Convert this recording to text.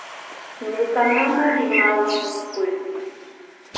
Ñuka mama rimawun muskupi.